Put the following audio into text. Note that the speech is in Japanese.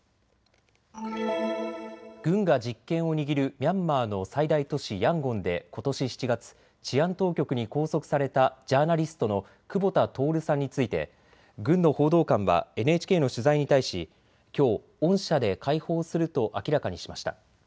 軍が実権を握るミャンマーの最大都市ヤンゴンでことし７月、治安当局に拘束されたジャーナリストの久保田徹さんについて、軍の報道官はＮＨＫの取材に対しきょう恩赦で解放すると明らかにしました。